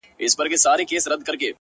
د نيمي شپې د خاموشۍ د فضا واړه ستـوري.